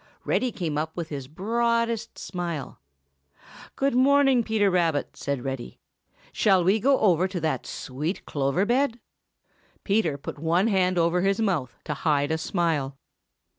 Reddy came up with his broadest smile. "Good morning, Peter Rabbit," said Reddy. "Shall we go over to that sweet clover bed?" [Illustration: 0056] Peter put one hand over his mouth to hide a smile.